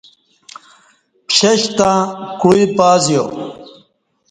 پشش تں کوعی پازیو